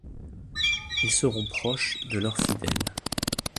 Ils seront proches de leurs fidèles.